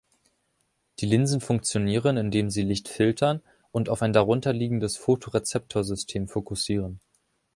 Die Linsen funktionieren, indem sie Licht filtern und auf ein darunter liegendes Photorezeptorsystem fokussieren.